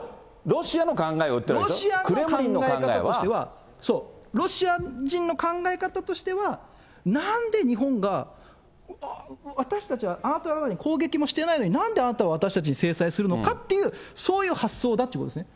ロシアの考え方としては、ロシア人の考え方としては、なんで日本が、私たちはあなたたちに攻撃もしてないのに、なんであなたは私たちに制裁するのかっていう、そういう発想だということですね。